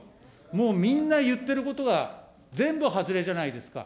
もうみんな言ってることが全部外れじゃないですか。